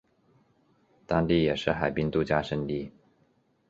当地也是海滨度假胜地。